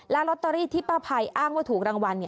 ลอตเตอรี่ที่ป้าภัยอ้างว่าถูกรางวัล